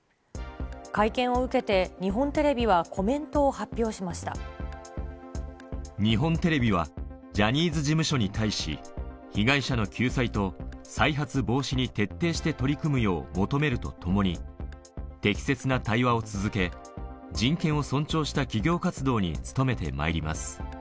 会見を受けて、日本テレビは日本テレビは、ジャニーズ事務所に対し、被害者の救済と再発防止に徹底して取り組むよう求めるとともに、適切な対話を続け、人権を尊重した企業活動に努めてまいります。